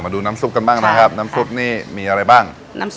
มาดูน้ำซุปกันบ้างนะครับน้ำซุปนี้มีอะไรบ้าง